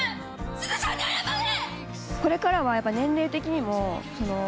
鈴さんに謝れ！